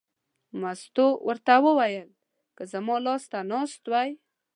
مستو ورته وویل: که زما لاس ته ناست وای.